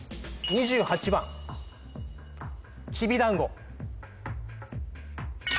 ２８番きびだんご